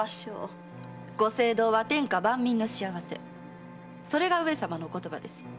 御政道は天下万民の幸せそれが上様のお言葉です。